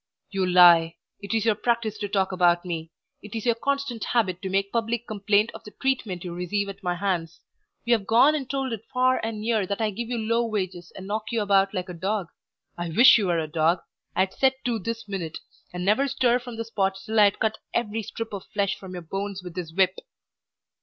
"You lie! It is your practice to talk about me; it is your constant habit to make public complaint of the treatment you receive at my hands. You have gone and told it far and near that I give you low wages and knock you about like a dog. I wish you were a dog! I'd set to this minute, and never stir from the spot till I'd cut every strip of flesh from your bones with this whip."